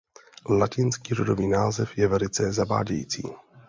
Latinský rodový název je velice zavádějící.